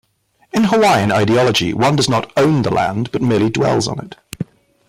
In Hawaiian ideology, one does not "own" the land, but merely dwells on it.